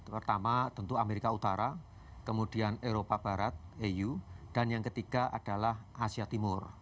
pertama tentu amerika utara kemudian eropa barat eu dan yang ketiga adalah asia timur